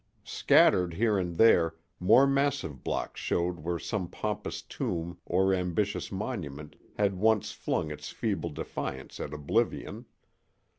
Scattered here and there, more massive blocks showed where some pompous tomb or ambitious monument had once flung its feeble defiance at oblivion.